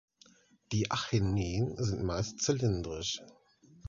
Die Achänen sind meist zylindrisch.